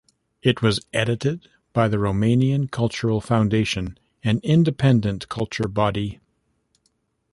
It was edited by the Romanian Cultural Foundation, an independent culture body.